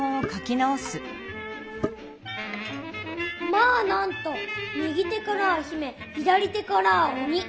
「まあなんと右手からは姫左手からはおに」。